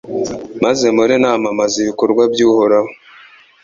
maze mpore namamaza ibikorwa by’Uhoraho